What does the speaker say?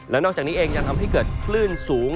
แล้วนอกจากนี้เองยังทำให้เกิดคลื่นสูง